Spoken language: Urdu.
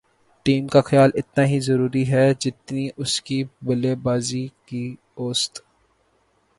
ٹیم کا خیال اتنا ہی ضروری ہے جتنی اس کی بلےبازی کی اوسط